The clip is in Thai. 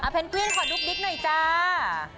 เนกวินขอดุ๊กดิ๊กหน่อยจ้า